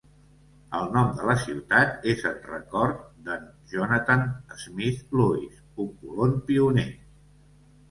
El nom de la ciutat és en record de"n Jonathan Smith Lewis, un colon pioner.